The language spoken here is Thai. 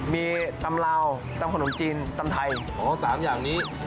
มีตำราวตำขนมจีนตำไทย๓อย่างนี้